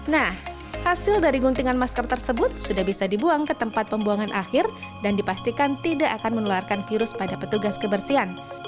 nah hasil dari guntingan masker tersebut sudah bisa dibuang ke tempat pembuangan akhir dan dipastikan tidak akan menularkan virus pada petugas kebersihan